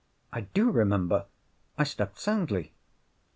"I do remember! I slept soundly."